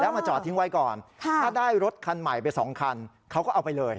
มาจอดทิ้งไว้ก่อนถ้าได้รถคันใหม่ไปสองคันเขาก็เอาไปเลย